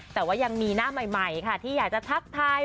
แต่ว่ายังมีหน้าใหม่ค่ะที่อยากจะทักทาย